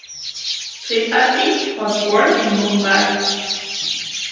Tripathi was born in Mumbai.